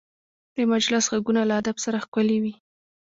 د مجلس غږونه له ادب سره ښکلي وي